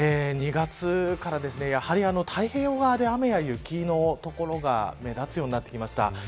２月からやはり太平洋側で雨や雪の所が目立つようになってきました。